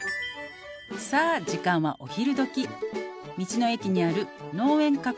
「さあ時間はお昼時」「道の駅にある」